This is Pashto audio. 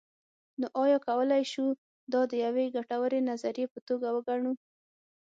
نو ایا کولی شو دا د یوې ګټورې نظریې په توګه وګڼو.